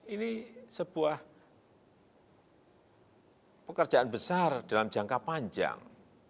ini sebuah pekerjaan besar dalam jangka panjang